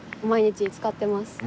毎日使ってます。